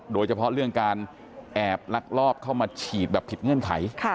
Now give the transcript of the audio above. โดยเฉพาะเรื่องการแอบลักลอบเข้ามาฉีดแบบผิดเงื่อนไข